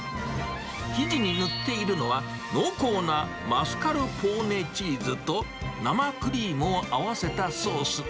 生地に塗っているのは、濃厚なマスカルポーネチーズと生クリームを合わせたソース。